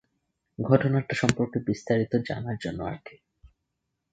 ঘটনাটা সম্পর্কে বিস্তারিত জানার জন্য আরকি।